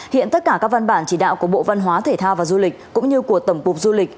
hiện tất cả các văn bản chỉ đạo của bộ văn hóa thể thao và du lịch cũng như của tổng cục du lịch